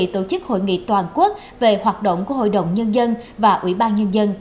và cho ý kiến về tổ chức hội nghị toàn quốc về hoạt động của hội đồng nhân dân và ủy ban nhân dân